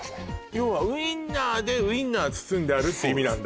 要はウインナーでウインナー包んであるって意味なんだ